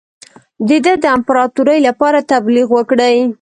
د ده د امپراطوری لپاره تبلیغ وکړي.